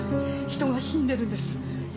人が死んでるんです。